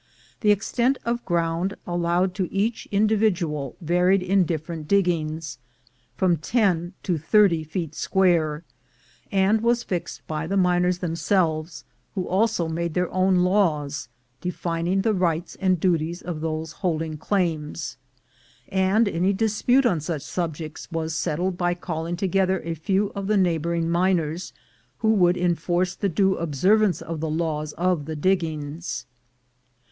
The extent of ground allowed to each individual varied in different dig gings from ten to thirty feet square, and was fixed by the miners themselves, who also made their own laws, defining the rights and duties of those holding claims; and any dispute on such subjects was settled by calling together a few of the neighboring miners, who would enforce the due observance of the laws of the diggings.